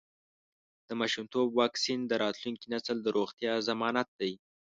د ماشومتوب واکسین د راتلونکي نسل د روغتیا ضمانت دی.